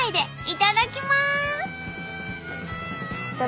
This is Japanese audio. いただきます！